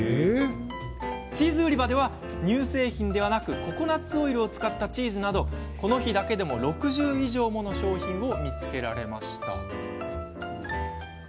チーズ売り場では乳製品ではなくココナツオイルを使ったチーズなど、この日だけでも６０以上もの商品を見つけました。